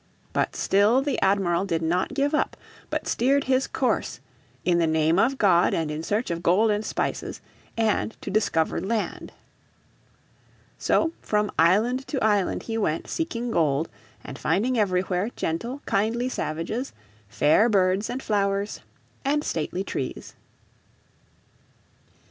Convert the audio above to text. But still the Admiral did not give up, but steered his course "in the name of God and in search of gold and spices, and to discover land." So from island to island he went seeking gold, and finding everywhere gentle, kindly savages, fair birds and flowers, and stately trees.